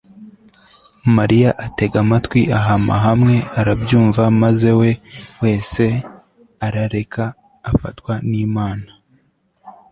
mariya atega amatwi, ahama hamwe, arabyumva maze we wese arareka afatwa n'imana